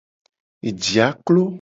Ejia klo.